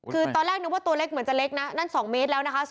คือตอนแรกนึกว่าตัวเล็กเหมือนจะเล็กนะนั่น๒เมตรแล้วนะคะ